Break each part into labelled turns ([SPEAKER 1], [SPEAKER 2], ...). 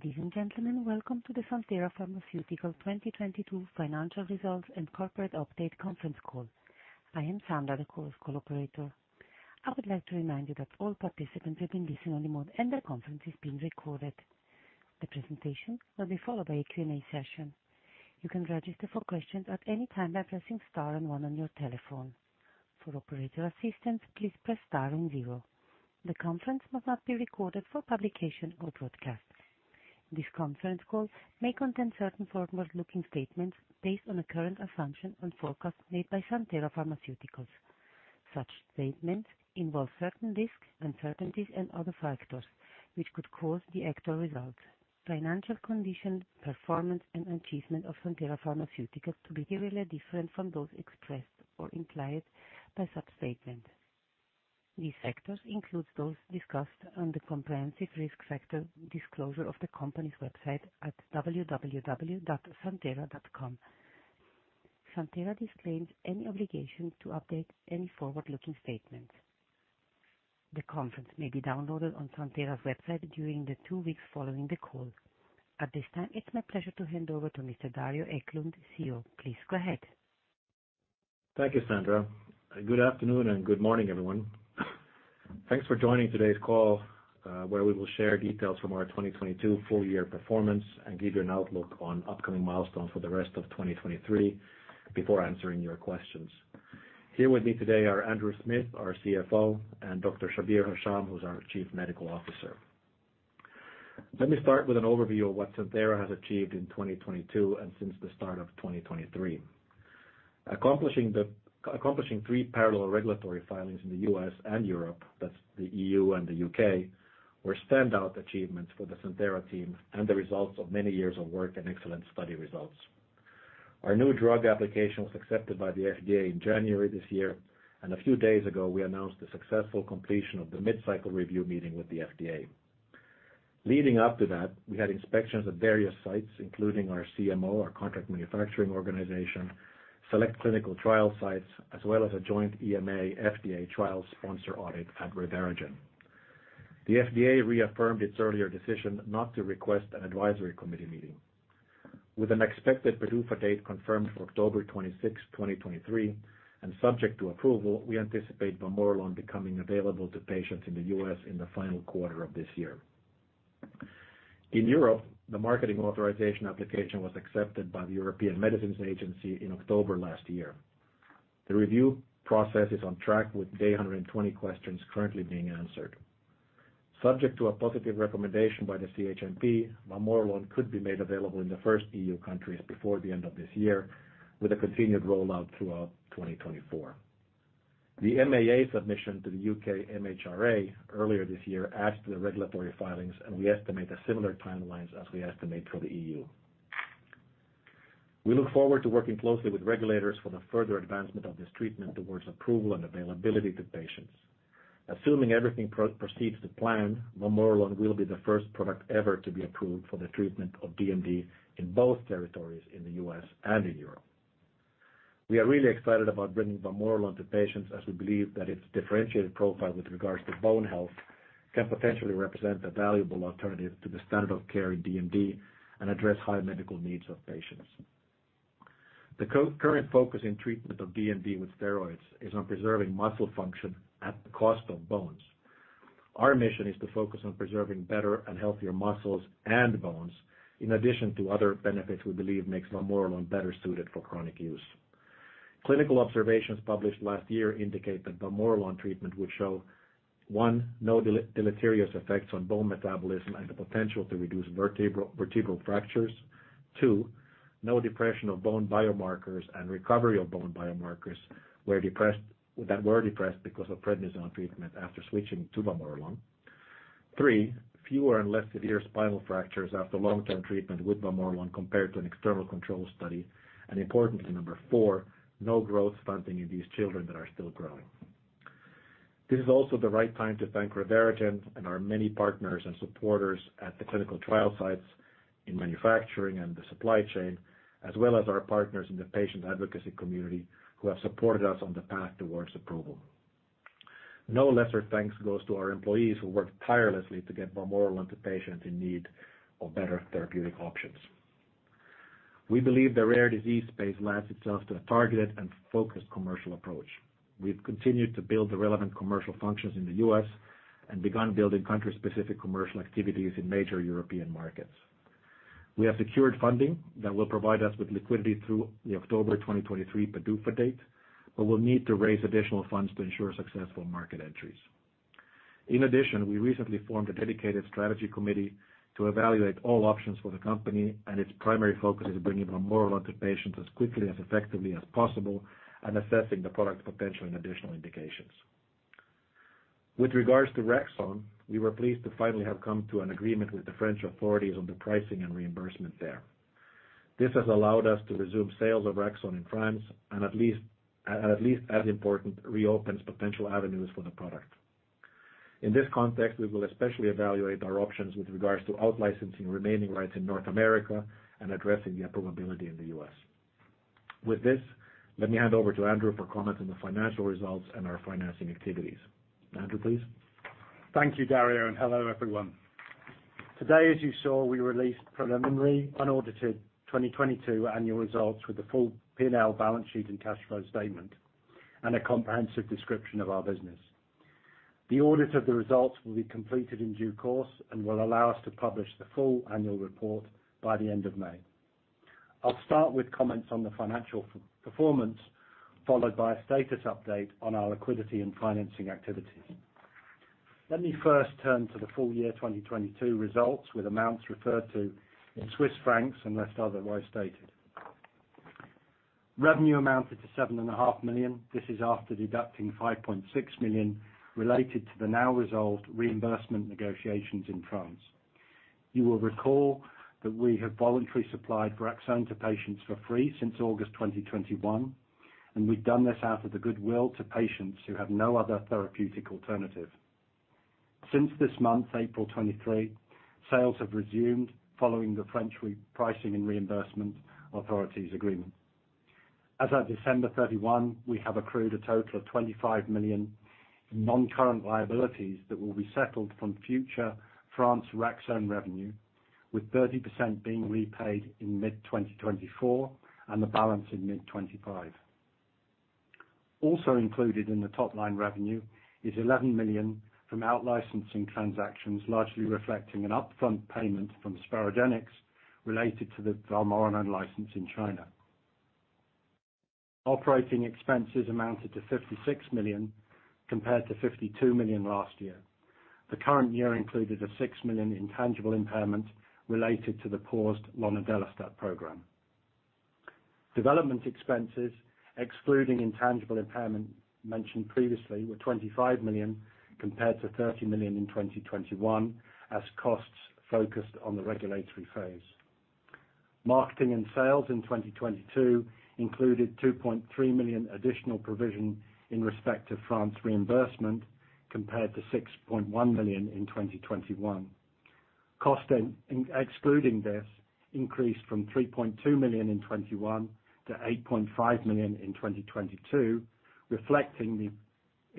[SPEAKER 1] Ladies, and gentlemen, welcome to the Santhera Pharmaceuticals 2022 Financial Results and Corporate Update Conference Call. I am Sandra, the Chorus Call Operator. I would like to remind you that all participants have been listening only mode and the conference is being recorded. The presentation will be followed by a Q&A session. You can register for questions at any time by pressing star and one on your telephone. For operator assistance, please press star and zero. The conference must not be recorded for publication or broadcast. This conference call may contain certain forward-looking statements based on the current assumptions and forecasts made by Santhera Pharmaceuticals. Such statements involve certain risks, uncertainties, and other factors, which could cause the actual results, financial condition, performance, and achievement of Santhera Pharmaceuticals to be really different from those expressed or implied by such statement. These factors include those discussed on the comprehensive risk factor disclosure of the company's website at www.santhera.com. Santhera disclaims any obligation to update any forward-looking statements. The conference may be downloaded on Santhera's website during the two weeks following the call. At this time, it's my pleasure to hand over to Mr. Dario Eklund, CEO. Please go ahead.
[SPEAKER 2] Thank you, Sandra. Good afternoon and good morning, everyone. Thanks for joining today's call, where we will share details from our 2022 full-year performance and give you an outlook on upcoming milestones for the rest of 2023 before answering your questions. Here with me today are Andrew Smith, our CFO, and Dr. Shabir Hasham, who's our Chief Medical Officer. Let me start with an overview of what Santhera has achieved in 2022 and since the start of 2023. Accomplishing three parallel regulatory filings in the U.S. and Europe, that's the EU and the U.K., were standout achievements for the Santhera team and the results of many years of work and excellent study results. Our new drug application was accepted by the FDA in January this year. A few days ago, we announced the successful completion of the mid-cycle review meeting with the FDA. Leading up to that, we had inspections at various sites, including our CMO, our contract manufacturing organization, select clinical trial sites, as well as a joint EMA, FDA trial sponsor audit at ReveraGen. The FDA reaffirmed its earlier decision not to request an advisory committee meeting. With an expected PDUFA date confirmed for October 26, 2023 and subject to approval, we anticipate vamorolone becoming available to patients in the U.S. in the final quarter of this year. In Europe, the Marketing Authorisation Application was accepted by the European Medicines Agency in October last year. The review process is on track with day 120 questions currently being answered. Subject to a positive recommendation by the CHMP, vamorolone could be made available in the first EU countries before the end of this year with a continued rollout throughout 2024. The MAA submission to the U.K. MHRA earlier this year asked the regulatory filings, and we estimate the similar timelines as we estimate for the EU. We look forward to working closely with regulators for the further advancement of this treatment towards approval and availability to patients. Assuming everything proceeds to plan, vamorolone will be the first product ever to be approved for the treatment of DMD in both territories in the U.S. and in Europe. We are really excited about bringing vamorolone to patients as we believe that its differentiated profile with regards to bone health can potentially represent a valuable alternative to the standard of care in DMD and address high medical needs of patients. The current focus in treatment of DMD with steroids is on preserving muscle function at the cost of bones. Our mission is to focus on preserving better and healthier muscles and bones, in addition to other benefits we believe makes vamorolone better suited for chronic use. Clinical observations published last year indicate that vamorolone treatment would show, one, no deleterious effects on bone metabolism and the potential to reduce vertebral fractures. Two, no depression of bone biomarkers and recovery of bone biomarkers that were depressed because of prednisone treatment after switching to vamorolone. Three, fewer and less severe spinal fractures after long-term treatment with vamorolone compared to an external control study. Importantly, number four, no growth stunting in these children that are still growing. This is also the right time to thank ReveraGen and our many partners and supporters at the clinical trial sites in manufacturing and the supply chain, as well as our partners in the patient advocacy community who have supported us on the path towards approval. No lesser thanks goes to our employees who work tirelessly to get vamorolone to patients in need of better therapeutic options. We believe the rare disease space lends itself to a targeted and focused commercial approach. We've continued to build the relevant commercial functions in the U.S. and begun building country-specific commercial activities in major European markets. We have secured funding that will provide us with liquidity through the October 2023 PDUFA date, but we'll need to raise additional funds to ensure successful market entries. In addition, we recently formed a dedicated strategy committee to evaluate all options for the company, and its primary focus is bringing vamorolone to patients as quickly and as effectively as possible and assessing the product's potential in additional indications. With regards to Raxone, we were pleased to finally have come to an agreement with the French authorities on the pricing and reimbursement there. This has allowed us to resume sales of Raxone in France and at least as important, reopens potential avenues for the product. In this context, we will especially evaluate our options with regards to out-licensing remaining rights in North America and addressing the approvability in the U.S. With this, let me hand over to Andrew for comment on the financial results and our financing activities. Andrew, please.
[SPEAKER 3] Thank you, Dario, and hello, everyone. Today, as you saw, we released preliminary unaudited 2022 annual results with the full P&L balance sheet and cash flow statement, and a comprehensive description of our business. The audit of the results will be completed in due course and will allow us to publish the full annual report by the end of May. I'll start with comments on the financial performance, followed by a status update on our liquidity, and financing activities. Let me first turn to the full year 2022 results with amounts referred to in CHF unless otherwise stated. Revenue amounted to 7.5 million. This is after deducting 5.6 million related to the now-resolved reimbursement negotiations in France. You will recall that we have voluntarily supplied Raxone to patients for free since August 2021, and we've done this out of the goodwill to patients who have no other therapeutic alternative. Since this month, April 2023, sales have resumed following the French pricing and reimbursement authorities agreement. As at December 31, we have accrued a total of 25 million in non-current liabilities that will be settled from future France Raxone revenue, with 30% being repaid in mid-2024 and the balance in mid-2025. Also included in the top-line revenue is 11 million from out-licensing transactions, largely reflecting an upfront payment from Sperogenix Therapeutics related to the vamorolone license in China. Operating expenses amounted to 56 million compared to 52 million last year. The current year included a 6 million intangible impairment related to the paused lonodelestat program. Development expenses, excluding intangible impairment mentioned previously, were 25 million compared to 30 million in 2021 as costs focused on the regulatory phase. Marketing and sales in 2022 included 2.3 million additional provision in respect to France reimbursement compared to 6.1 million in 2021. Cost in, excluding this, increased from 3.2 million in 2021 to 8.5 million in 2022, reflecting the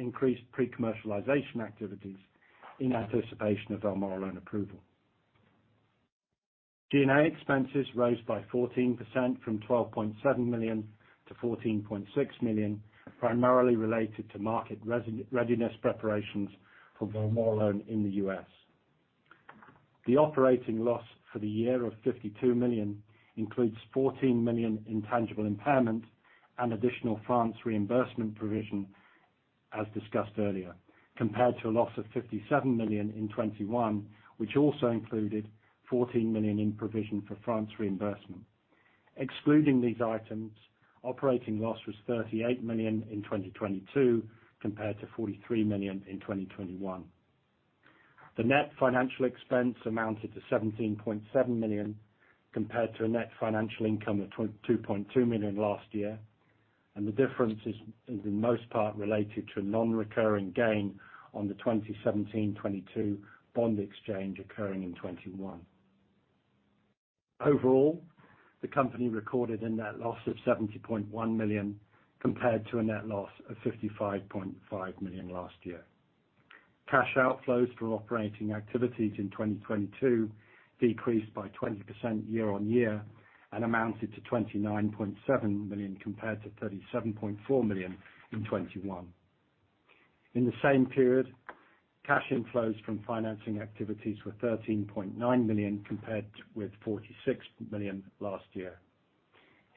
[SPEAKER 3] increased pre-commercialization activities in anticipation of vamorolone approval. G&A expenses rose by 14% from 12.7 million-14.6 million, primarily related to market readiness preparations for vamorolone in the U.S. The operating loss for the year of 52 million includes 14 million intangible impairment and additional France reimbursement provision as discussed earlier, compared to a loss of 57 million in 2021, which also included 14 million in provision for France reimbursement. Excluding these items, operating loss was 38 million in 2022 compared to 43 million in 2021. The net financial expense amounted to 17.7 million compared to a net financial income of 2.2 million last year, the difference is in most part related to a non-recurring gain on the 2017, 2022 bond exchange occurring in 2021. Overall, the company recorded a net loss of 70.1 million compared to a net loss of 55.5 million last year. Cash outflows from operating activities in 2022 decreased by 20% year-on-year and amounted to 29.7 million compared to 37.4 million in 2021. In the same period, cash inflows from financing activities were 13.9 million compared with 46 million last year.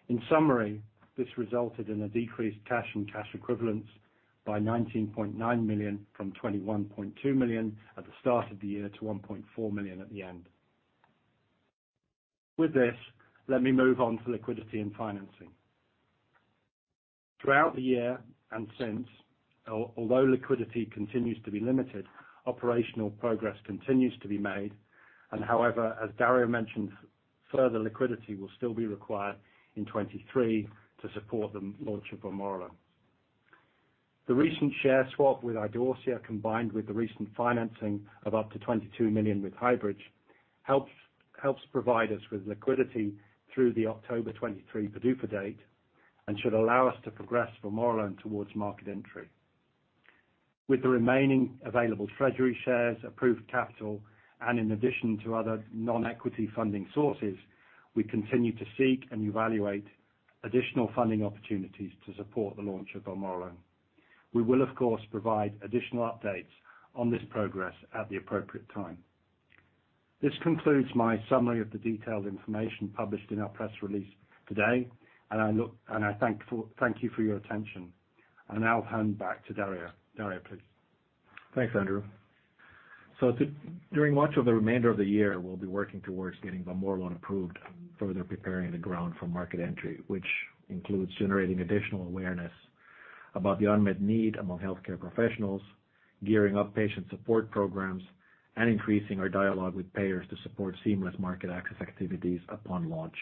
[SPEAKER 3] In summary, this resulted in a decreased cash and cash equivalents by 19.9 million from 21.2 million at the start of the year to 1.4 million at the end. With this, let me move on to liquidity and financing. Throughout the year and since, although liquidity continues to be limited, operational progress continues to be made. However, as Dario mentioned, further liquidity will still be required in 2023 to support the launch of vamorolone. The recent share swap with Idorsia, combined with the recent financing of up to 22 million with Highbridge, helps provide us with liquidity through the October 2023 PDUFA date and should allow us to progress vamorolone towards market entry. With the remaining available treasury shares, approved capital, and in addition to other non-equity funding sources, we continue to seek and evaluate additional funding opportunities to support the launch of vamorolone. We will, of course, provide additional updates on this progress at the appropriate time. This concludes my summary of the detailed information published in our press release today. I thank you for your attention. I'll now hand back to Dario. Dario, please.
[SPEAKER 2] Thanks, Andrew. During much of the remainder of the year, we'll be working towards getting vamorolone approved, further preparing the ground for market entry, which includes generating additional awareness about the unmet need among healthcare professionals, gearing up patient support programs, and increasing our dialogue with payers to support seamless market access activities upon launch.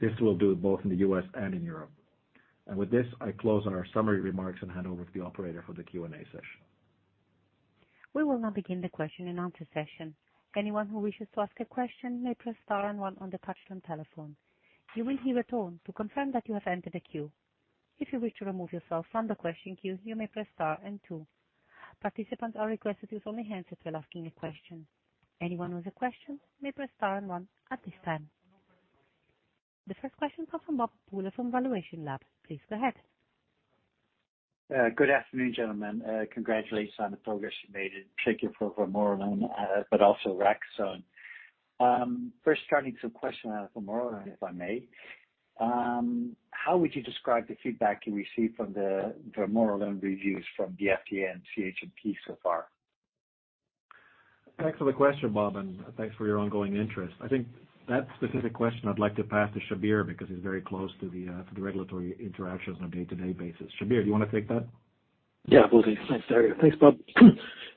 [SPEAKER 2] This will do it both in the U.S. and in Europe. With this, I close on our summary remarks and hand over to the operator for the Q&A session.
[SPEAKER 1] We will now begin the question-and-answer session. Anyone who wishes to ask a question may press star and one on the touch-tone telephone. You will hear a tone to confirm that you have entered the queue. If you wish to remove yourself from the question queue, you may press star and two. Participants are requested to use only handsets when asking a question. Anyone with a question may press star and one at this time. The first question comes from Bob Pooler from ValuationLAB. Please go ahead.
[SPEAKER 4] Good afternoon, gentlemen. Congratulations on the progress you made, in particular for vamorolone, but also Raxone. First starting some question on vamorolone, if I may. How would you describe the feedback you received from the vamorolone reviews from the FDA and CHMP so far?
[SPEAKER 2] Thanks for the question, Bob, and thanks for your ongoing interest. I think that specific question I'd like to pass to Shabir, because he's very close to the to the regulatory interactions on a day-to-day basis. Shabir, do you wanna take that?
[SPEAKER 5] Yeah, will do. Thanks, Dario. Thanks, Bob.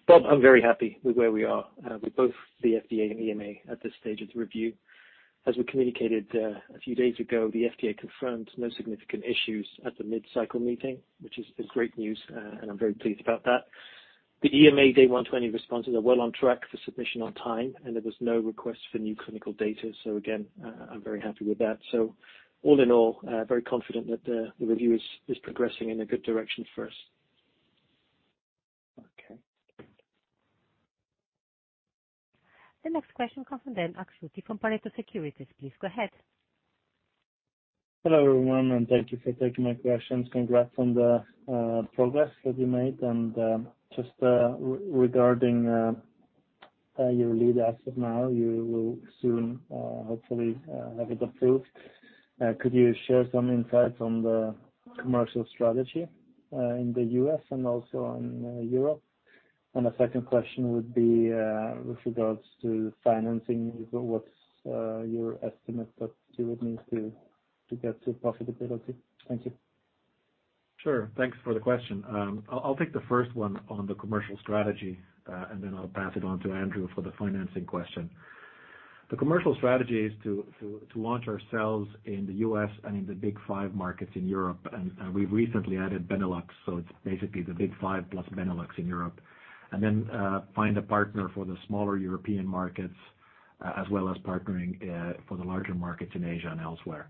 [SPEAKER 5] Bob, I'm very happy with where we are with both the FDA and EMA at this stage of the review. As we communicated a few days ago, the FDA confirmed no significant issues at the mid-cycle meeting, which is great news, and I'm very pleased about that. The EMA Day 120 responses are well on track for submission on time. There was no request for new clinical data. Again, I'm very happy with that. All in all, very confident that the review is progressing in a good direction for us.
[SPEAKER 4] Okay.
[SPEAKER 1] The next question comes from Dan Akschuti from Pareto Securities. Please go ahead.
[SPEAKER 6] Hello, everyone, and thank you for taking my questions. Congrats on the progress that you made. Just regarding your lead as of now, you will soon hopefully have it approved. Could you share some insights on the commercial strategy in the U.S. and also in Europe? A second question would be with regards to financing, what's your estimate that you would need to get to profitability? Thank you.
[SPEAKER 2] Sure. Thanks for the question. I'll take the first one on the commercial strategy, and then I'll pass it on to Andrew for the financing question. The commercial strategy is to launch ourselves in the U.S. and in the Big Five markets in Europe. We've recently added Benelux, so it's basically the Big Five plus Benelux in Europe. Find a partner for the smaller European markets, as well as partnering for the larger markets in Asia and elsewhere.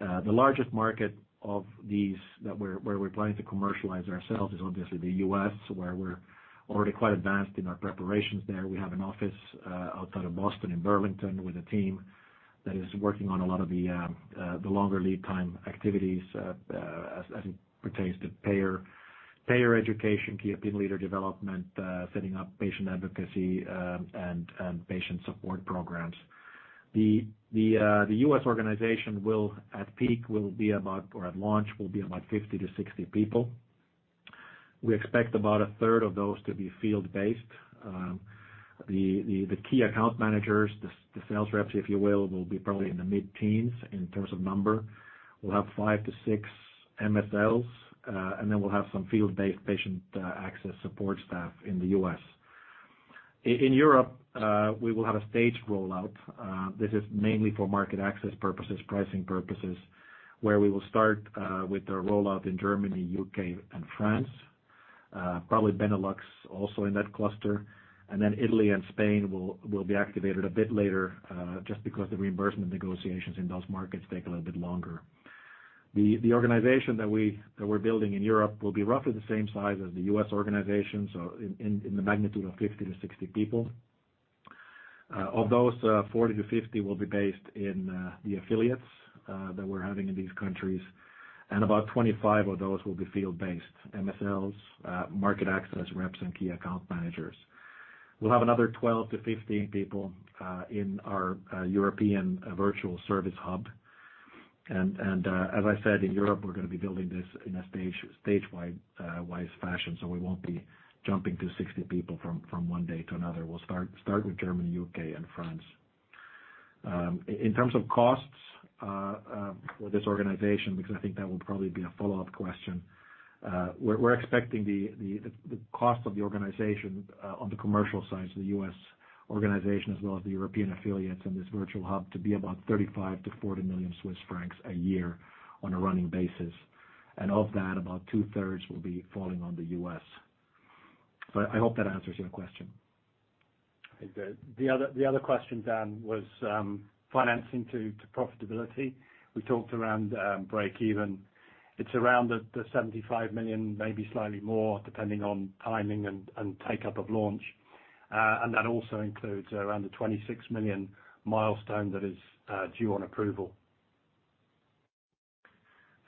[SPEAKER 2] The largest market of these where we're planning to commercialize ourselves is obviously the U.S., where we're already quite advanced in our preparations there. We have an office outside of Boston in Burlington with a team that is working on a lot of the longer lead time activities as it pertains to payer education, key opinion leader development, setting up patient advocacy and patient support programs. The U.S. organization at launch will be about 50 to 60 people. We expect about a third of those to be field-based. The key account managers, the sales reps, if you will be probably in the mid-teens in terms of number. We'll have five to six MSLs. We'll have some field-based patient access support staff in the U.S. In Europe, we will have a staged rollout. This is mainly for market access purposes, pricing purposes, where we will start with the rollout in Germany, U.K., and France, probably Benelux also in that cluster. Italy and Spain will be activated a bit later, just because the reimbursement negotiations in those markets take a little bit longer. The organization that we're building in Europe will be roughly the same size as the U.S. organization, so in the magnitude of 50 to 60 people. Of those, 40 to 50 will be based in the affiliates that we're having in these countries, and about 25 of those will be field-based MSLs, market access reps, and key account managers. We'll have another 12 to 15 people in our European virtual service hub. As I said, in Europe, we're gonna be building this in a stage-wide fashion, so we won't be jumping to 60 people from one day to another. We'll start with Germany, U.K., and France. In terms of costs for this organization, because I think that will probably be a follow-up question, we're expecting the cost of the organization on the commercial side, so the U.S. organization as well as the European affiliates and this virtual hub, to be about 35 million-40 million Swiss francs a year on a running basis. Of that, about 2/3 will be falling on the U.S. I hope that answers your question.
[SPEAKER 3] It did. The other question, Dan, was financing to profitability. We talked around breakeven. It's around the 75 million, maybe slightly more, depending on timing and take-up of launch. That also includes around the 26 million milestone that is due on approval.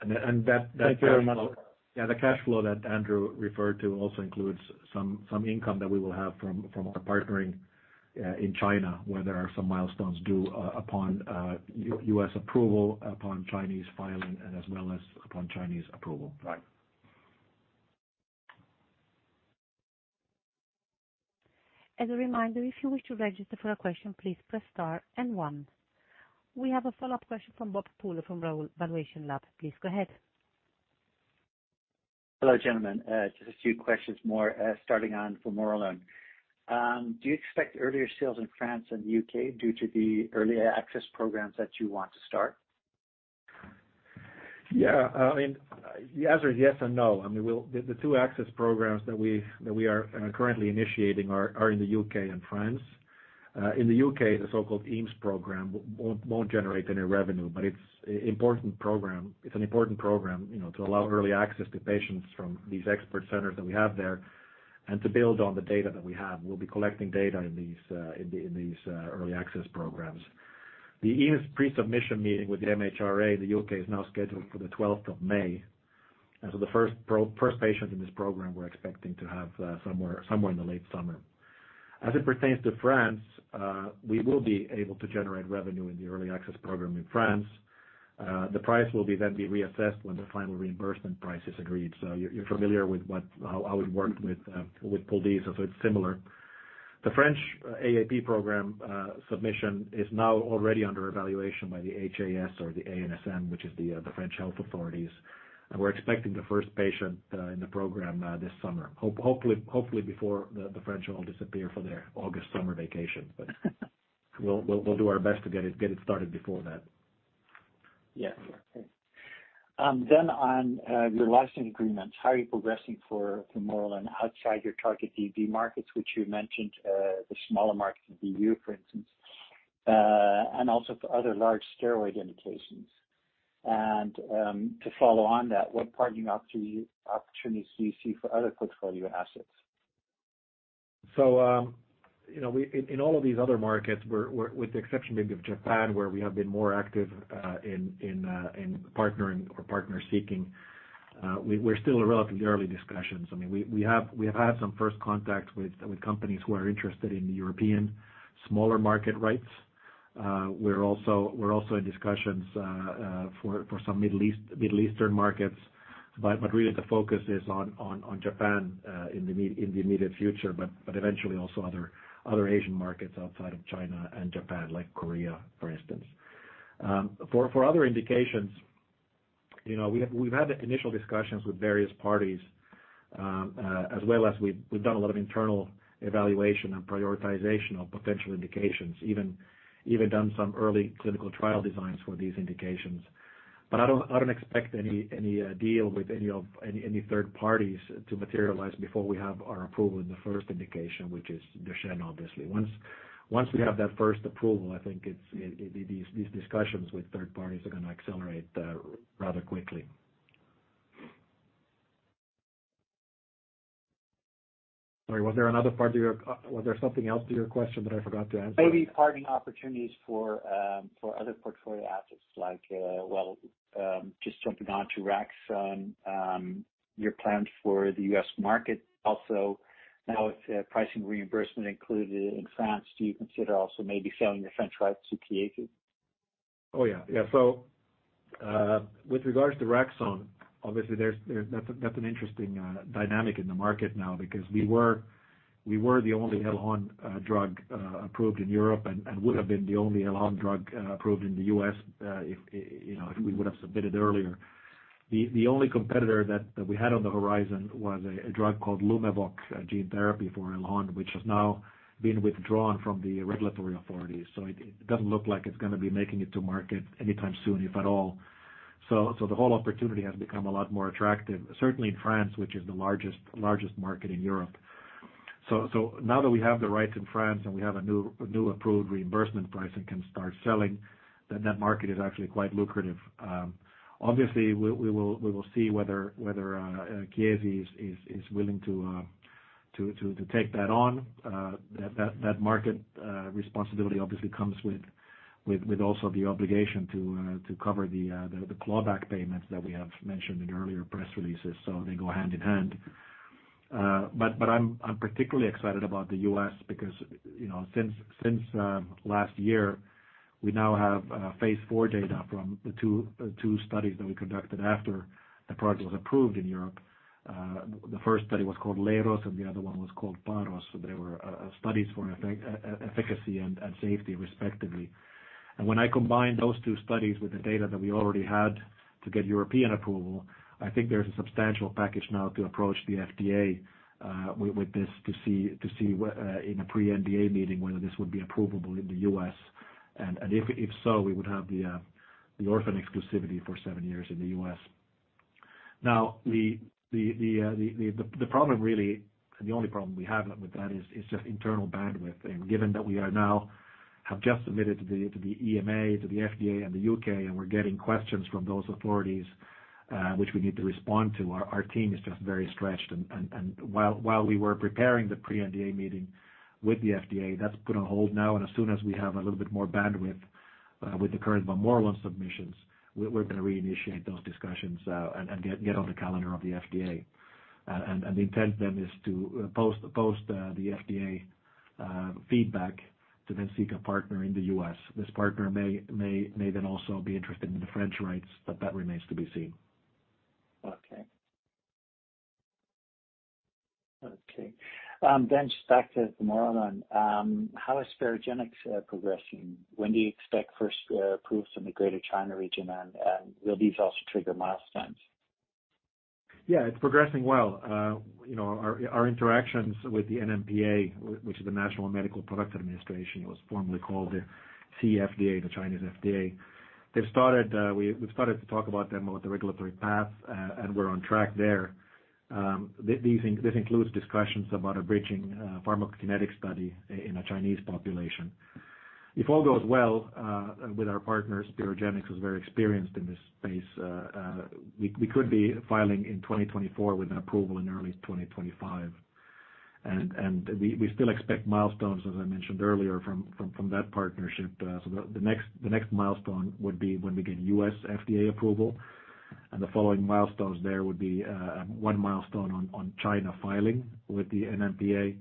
[SPEAKER 2] that cash flow.
[SPEAKER 6] Thank you very much.
[SPEAKER 2] The cash flow that Andrew referred to also includes some income that we will have from our partnering in China, where there are some milestones due upon U.S. approval, upon Chinese filing, and as well as upon Chinese approval.
[SPEAKER 5] Right.
[SPEAKER 1] As a reminder, if you wish to register for a question, please press star and one. We have a follow-up question from Bob Pooler from ValuationLAB. Please go ahead.
[SPEAKER 4] Hello, gentlemen. Just a few questions more, starting on vamorolone. Do you expect earlier sales in France and the U.K. due to the early access programs that you want to start?
[SPEAKER 2] I mean, the answer is yes and no. I mean, we'll The two access programs that we are currently initiating are in the U.K. and France. In the U.K., the so-called EAMS program won't generate any revenue, but it's an important program. It's an important program, you know, to allow early access to patients from these expert centers that we have there and to build on the data that we have. We'll be collecting data in these in these early access programs. The EAMS pre-submission meeting with the MHRA in the U.K. is now scheduled for the 12th of May. The first patient in this program, we're expecting to have somewhere in the late summer. As it pertains to France, we will be able to generate revenue in the early access program in France. The price will be then be reassessed when the final reimbursement price is agreed. You're, you're familiar with how we've worked with Puldysa, so it's similar. The French AAP program submission is now already under evaluation by the HAS or the ANSM, which is the French health authorities. We're expecting the first patient in the program this summer. Hopefully before the French all disappear for their August summer vacation. We'll do our best to get it started before that.
[SPEAKER 4] Yeah. Okay. Then on your licensing agreements, how are you progressing for more on outside your target DMD markets, which you mentioned, the smaller markets in EU, for instance, and also for other large steroid indications? To follow on that, what partnering opportunities do you see for other portfolio assets?
[SPEAKER 2] you know, In all of these other markets, we're with the exception maybe of Japan, where we have been more active in partnering or partner seeking, we're still in relatively early discussions. I mean, we have had some first contact with companies who are interested in the European smaller market rights. we're also in discussions for some Middle Eastern markets. really the focus is on Japan in the immediate future, but eventually also other Asian markets outside of China and Japan, like Korea, for instance. For other indications, you know, we've had initial discussions with various parties, as well as we've done a lot of internal evaluation and prioritization of potential indications, even done some early clinical trial designs for these indications. I don't expect any deal with any third parties to materialize before we have our approval in the first indication, which is Duchenne, obviously. Once we have that first approval, I think it's these discussions with third parties are gonna accelerate rather quickly. Sorry, was there another part to your question that I forgot to answer?
[SPEAKER 4] Maybe partnering opportunities for other portfolio assets like, well, just jumping onto Raxone, your plans for the U.S. market also. Now with pricing reimbursement included in France, do you consider also maybe selling the French rights to Chiesi?
[SPEAKER 2] Yeah. Yeah. With regards to Raxone, obviously, there's that's an interesting dynamic in the market now because we were the only orphan drug approved in Europe and would have been the only orphan drug approved in the U.S. if, you know, if we would have submitted earlier. The only competitor that we had on the horizon was a drug called Lumevoq, a gene therapy for orphan, which has now been withdrawn from the regulatory authorities. It doesn't look like it's gonna be making it to market anytime soon, if at all. The whole opportunity has become a lot more attractive, certainly in France, which is the largest market in Europe. Now that we have the rights in France and we have a new approved reimbursement price and can start selling, then that market is actually quite lucrative. Obviously, we will see whether Chiesi is willing to take that on. That market responsibility obviously comes with also the obligation to cover the clawback payments that we have mentioned in earlier press releases. They go hand in hand. But I'm particularly excited about the U.S. because, you know, since last year, we now have phase four data from the two studies that we conducted after the product was approved in Europe. The first study was called LEROS, and the other one was called PAROS. They were studies for efficacy and safety, respectively. When I combine those two studies with the data that we already had to get European approval, I think there's a substantial package now to approach the FDA with this to see in a pre-NDA meeting, whether this would be approvable in the U.S. If so, we would have the orphan exclusivity for seven years in the U.S. The problem really, and the only problem we have with that is just internal bandwidth. Given that we are now have just submitted to the EMA, to the FDA and the U.K., and we're getting questions from those authorities, which we need to respond to, our team is just very stretched. While we were preparing the pre-NDA meeting with the FDA, that's put on hold now. As soon as we have a little bit more bandwidth with the current vamorolone submissions, we're gonna reinitiate those discussions and get on the calendar of the FDA. The intent then is to post the FDA feedback to then seek a partner in the U.S. This partner may then also be interested in the French rights. That remains to be seen.
[SPEAKER 4] Okay. Okay. Just back to the vamorolone. How is Sperogenix progressing? When do you expect first proofs in the Greater China region, and will these also trigger milestones?
[SPEAKER 2] Yeah, it's progressing well. you know, our interactions with the NMPA, which is the National Medical Products Administration, it was formerly called the CFDA, the Chinese FDA. They've started, we've started to talk about them with the regulatory path, and we're on track there. This includes discussions about a bridging pharmacokinetics study in a Chinese population. If all goes well, with our partners, Sperogenix, who's very experienced in this space, we could be filing in 2024 with an approval in early 2025. We still expect milestones, as I mentioned earlier, from that partnership. The next milestone would be when we get U.S. FDA approval, and the following milestones there would be one milestone on China filing with the NMPA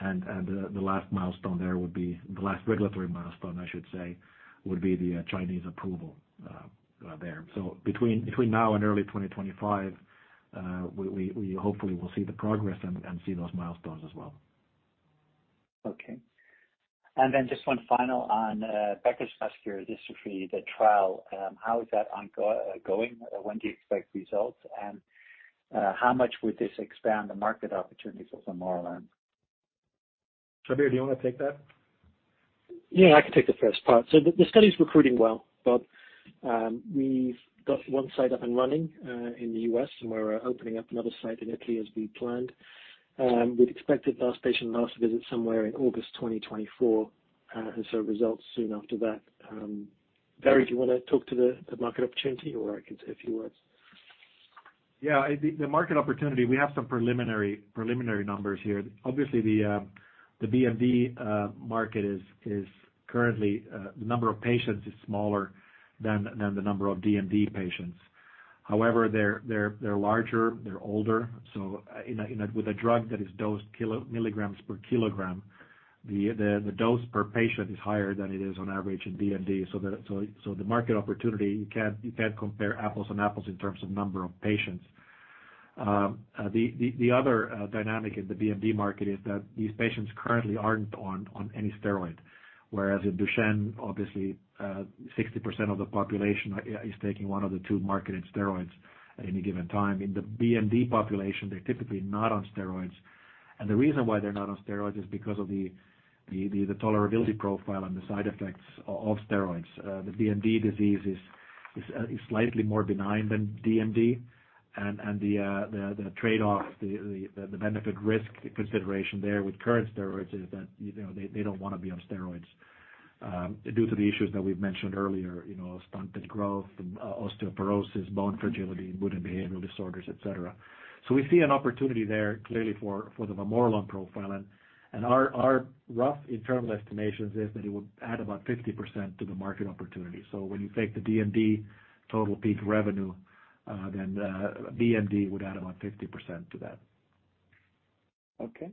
[SPEAKER 2] and the last milestone there would be. The last regulatory milestone, I should say, would be the Chinese approval there. Between now and early 2025, we hopefully will see the progress and see those milestones as well.
[SPEAKER 4] Okay. Just one final on Becker muscular dystrophy, the trial, how is that going? When do you expect results? How much would this expand the market opportunities for vamorolone?
[SPEAKER 2] Shabir, do you wanna take that?
[SPEAKER 5] Yeah, I can take the first part. The study is recruiting well, Bob. We've got one site up and running in the U.S., and we're opening up another site in Italy as we planned. We'd expected last patient, last visit somewhere in August 2024, and so results soon after that. Dario, do you wanna talk to the market opportunity, or I can say a few words?
[SPEAKER 2] I think the market opportunity, we have some preliminary numbers here. Obviously, the BMD market is currently the number of patients is smaller than the number of DMD patients. They're larger, they're older, so with a drug that is dosed milligrams per kilogram, the dose per patient is higher than it is on average in DMD. The market opportunity, you can't compare apples and apples in terms of number of patients. The other dynamic in the BMD market is that these patients currently aren't on any steroid, whereas in Duchenne, obviously, 60% of the population is taking one of the two marketed steroids at any given time. In the BMD population, they're typically not on steroids. The reason why they're not on steroids is because of the tolerability profile and the side effects of steroids. The BMD disease is slightly more benign than DMD. The trade-off, the benefit risk consideration there with current steroids is that, you know, they don't wanna be on steroids due to the issues that we've mentioned earlier, you know, stunted growth and osteoporosis, bone fragility, mood and behavioral disorders, et cetera. We see an opportunity there clearly for the vamorolone profile. Our rough internal estimations is that it would add about 50% to the market opportunity. When you take the DMD total peak revenue, then BMD would add about 50% to that.
[SPEAKER 4] Okay.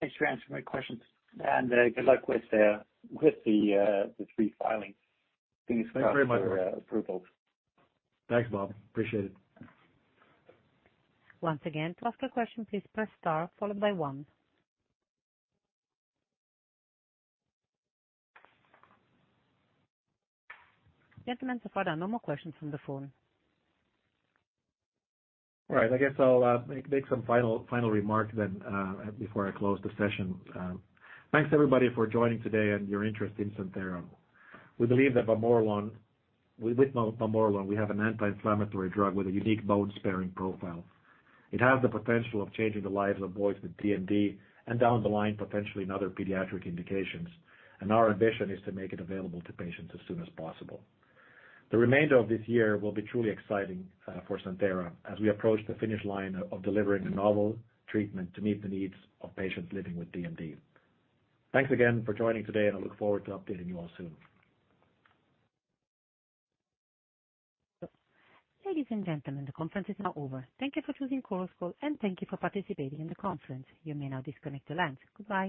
[SPEAKER 4] Thanks for answering my questions. Good luck with the three filings.
[SPEAKER 2] Thanks very much.
[SPEAKER 4] Fingers crossed for approval.
[SPEAKER 2] Thanks, Bob. Appreciate it.
[SPEAKER 1] Once again, to ask a question, please press star followed by one. Gentlemen, so far there are no more questions from the phone.
[SPEAKER 2] All right. I guess I'll make some final remarks then, before I close the session. Thanks everybody for joining today and your interest in Santhera. With vamorolone, we have an anti-inflammatory drug with a unique bone-sparing profile. It has the potential of changing the lives of boys with DMD and down the line, potentially in other pediatric indications. Our ambition is to make it available to patients as soon as possible. The remainder of this year will be truly exciting for Santhera as we approach the finish line of delivering a novel treatment to meet the needs of patients living with DMD. Thanks again for joining today. I look forward to updating you all soon.
[SPEAKER 1] Ladies, and gentlemen, the conference is now over. Thank you for choosing Chorus Call, and thank you for participating in the conference. You may now disconnect your lines. Goodbye.